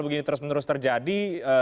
begini terus menerus terjadi